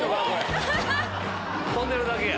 跳んでるだけや。